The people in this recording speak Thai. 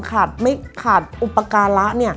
ขาดอุปการะ